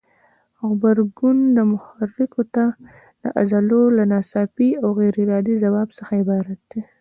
غبرګون محرکو ته د عضلو له ناڅاپي او غیر ارادي ځواب څخه عبارت دی.